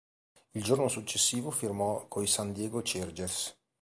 Il giorno successivo firmò coi San Diego Chargers.